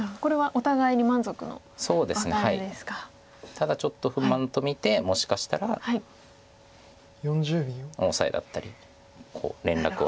ただちょっと不満と見てもしかしたらオサエだったり連絡をさせないように。